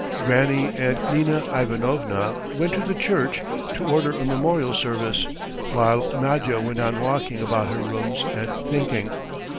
Granny and Nina Ivanovna went to the church to order a memorial service, while Nadya went on walking about the rooms and thinking.